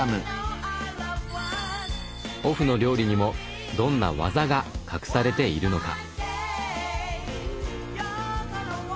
オフの料理にもどんな技が隠されているのか？